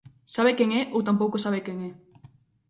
¿Sabe quen é ou tampouco sabe quen é?